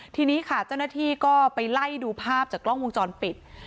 ทีนี้ค่ะเจ้าหน้าที่ก็ไปไล่ดูภาพจากกล้องวงจรปิด